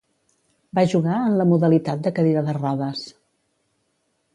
Va jugar en la modalitat de cadira de rodes.